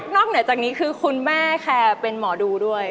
เหนือจากนี้คือคุณแม่ค่ะเป็นหมอดูด้วย